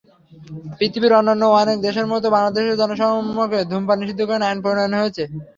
পৃথিবীর অন্যান্য অনেক দেশের মতো বাংলাদেশেও জনসমক্ষে ধূমপান নিষিদ্ধকরণ আইন প্রণয়ন হয়েছে।